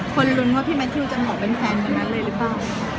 คนรุนว่าพี่แมททิวจะห่วงเป็นแฟนเหมือนกันเลยหรือเปล่า